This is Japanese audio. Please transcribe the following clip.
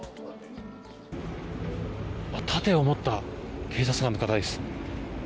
盾を持った警察官の方です。